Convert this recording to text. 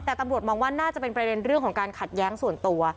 แต่ตำรวจมองว่าน่าจะเป็นประเด็นเรื่องของการขัดแย้งส่วนตัว